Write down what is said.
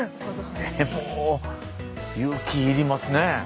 でも勇気要りますねえ。